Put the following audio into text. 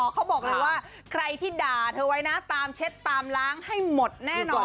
เขาบอกเลยว่าใครที่ด่าเธอไว้นะตามเช็ดตามล้างให้หมดแน่นอน